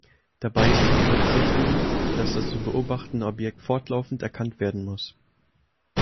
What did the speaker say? Dabei ist zu berücksichtigen, dass das zu beobachtende Objekt fortlaufend erkannt werden muss.